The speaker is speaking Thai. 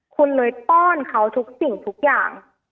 คุณเลยป้อนเขาทุกสิ่งทุกอย่าง